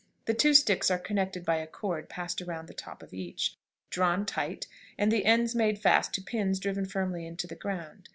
The two sticks are connected by a cord passed around the top of each, drawn tight, and the ends made fast to pins driven firmly into the ground.